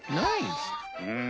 うん。